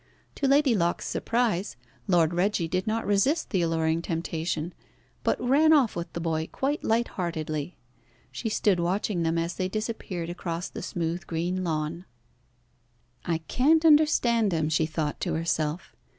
To Lady Locke's surprise, Lord Reggie did not resist the alluring temptation, but ran off with the boy quite light heartedly. She stood watching them as they disappeared across the smooth, green lawn. "I can't understand him," she thought to herself.